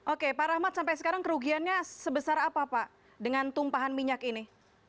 oke pak rahmat sampai sekarang kerugiannya sebesar apa pak dengan tumpahan minyak ini